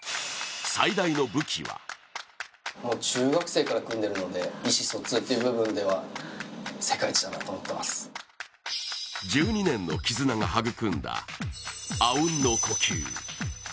最大の武器は１２年の絆が育んだあうんの呼吸。